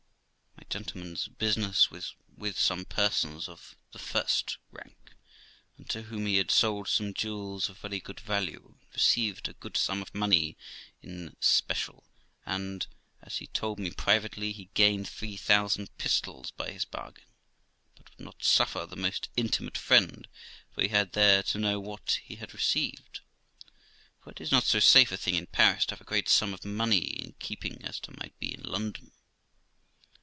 My gentleman's business was with some persons of the first rank, and to whom he had sold some jewels of very good value, and received a great sum of money in specie; and, as he told me privately, he gained three thousand pistoles by his bargain, but would not suffer the most intimate friend he had there to know what he had received; for it is not so safe a thing in Paris to have a great sum of money in keeping as it might be in London.